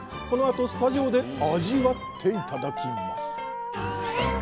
このあとスタジオで味わって頂きます